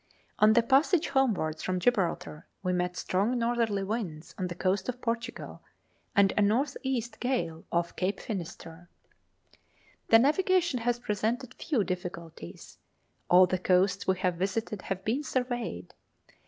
On the passage homewards from Gibraltar we met strong northerly winds on the coast of Portugal, and a north east gale off Cape Finisterre. The navigation has presented few difficulties. All the coasts that we have visited have been surveyed.